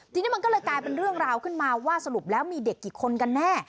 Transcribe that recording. ทีนี้มันก็เลยกลายเป็นเรื่องราวขึ้นมาว่าสรุปแล้วมีเด็กกี่คนกันแน่